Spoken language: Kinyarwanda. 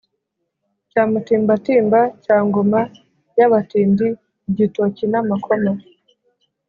Cyamutimbatimba cya ngoma y'abatindi-Igitoki n'amakoma.